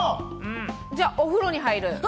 じゃあ、お風呂に入る。